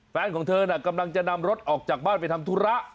แฟนของเธอน่ะกำลังจะนำรถออกจากบ้านไปทำธุระ